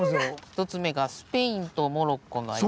１つ目がスペインとモロッコの間に。